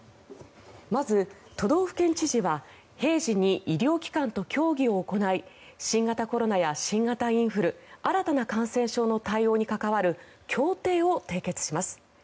まず都道府県知事は平時に医療機関と協議を行い新型コロナや新型インフル新たな感染症の対応に関わる協定を締結します。